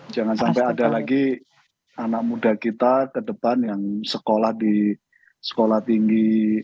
jangan sampai ada lagi anak muda kita ke depan yang sekolah di sekolah tinggi